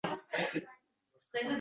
Nechun hech kim axlatga otmas.